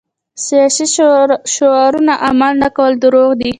سیاسي شعارونه عمل نه کول دروغ دي.